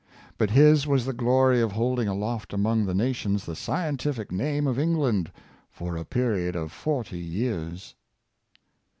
But his was the glory of holding aloft among the nations the scientific name of England for a period of forty years."